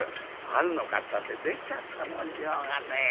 「あんのかったって出ちゃったもんしょうがねえや。